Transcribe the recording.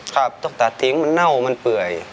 ขาพกลุ่มตัดถิงมันเน่ามันเปลื่อย